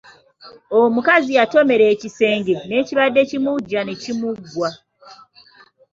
Omukazi yatomera ekisenge n’ekibadde kimuwujja ne kimuggwa.